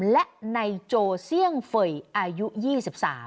และในโจเสี่ยงเฟยอายุ๒๓ปี